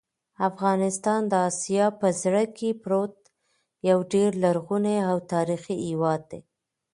افغانستان د اسیا په زړه کې پروت یو ډېر لرغونی او تاریخي هېواد دی.